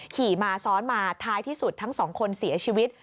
ขี่มาซ้อนมาท้ายที่สุดทั้งสองคนเสียชีวิต